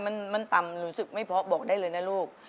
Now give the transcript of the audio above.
มันต่ำรู้สึกไม่พอบอกได้เลยนะลูก